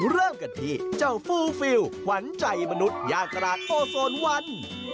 เริ่มกันที่เจ้าฟูฟิลขวัญใจมนุษย่านตลาดโอโซนวัน